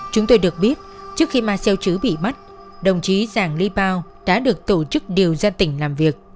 chúng tôi được biết trước khi marcel chứ bị bắt đồng chí giàng lê bao đã được tổ chức điều gian tỉnh làm việc